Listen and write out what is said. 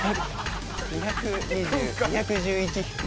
２２０２１１引く。